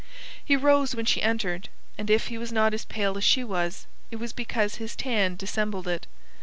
He rose when she entered, and if he was not as pale as she was, it was because his tan dissembled it.